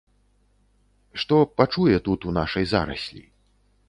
Што пачуе тут у нашай зараслі.